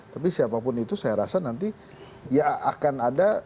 tapi siapapun itu saya rasa nanti ya akan ada